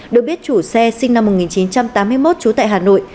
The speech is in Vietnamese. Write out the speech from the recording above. được biết chủ xe sinh năm một nghìn chín trăm tám mươi một trú tại hà nội